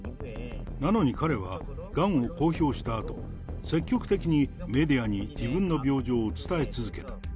なのに彼は、がんを公表したあと、積極的にメディアに自分の病状を伝え続けた。